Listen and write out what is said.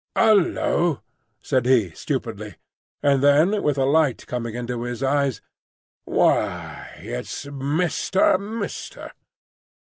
"Hullo!" said he, stupidly; and then with a light coming into his eyes, "Why, it's Mister—Mister?"